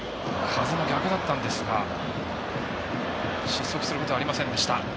風も逆でしたが失速することがありませんでした。